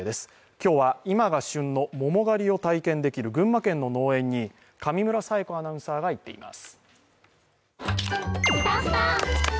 今日は今が旬の桃狩りが体験できる群馬県の農園に上村彩子アナウンサーが行っています。